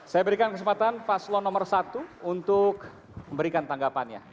saya berikan kesempatan paslon nomor satu untuk memberikan tanggapannya